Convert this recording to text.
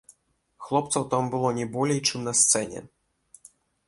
Хлопцаў там было не болей, чым на сцэне.